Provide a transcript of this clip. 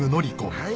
はい。